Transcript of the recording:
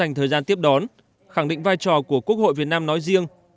chỉ số giá tiêu dùng cpi bình quân năm hai nghìn một mươi bảy tăng ba năm mươi ba